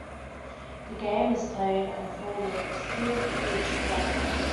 The game is played on four grids, two for each player.